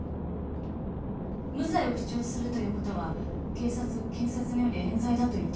無罪を主張するという事は警察検察による冤罪だと言っているわけです。